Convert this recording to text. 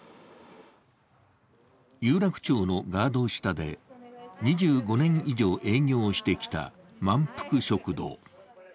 有楽町のガード下で２５年以上営業してきたまんぷく食堂。